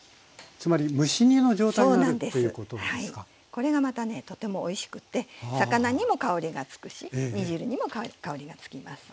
これがまたねとてもおいしくて魚にも香りがつくし煮汁にも香りがつきます。